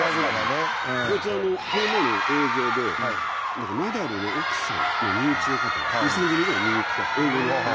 この前の営業でナダルの奥さんの身内の方が２０３０人くらい見に来て。